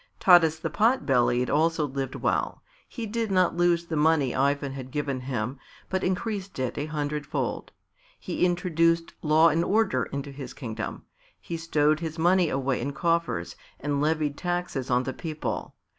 Taras the Pot bellied also lived well. He did not lose the money Ivan had given him, but increased it a hundredfold. He introduced law and order into his kingdom. He stowed his money away in coffers and levied taxes on the people.